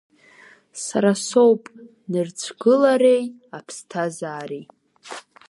Сара соуп нырцәгылареи аԥсҭазаареи…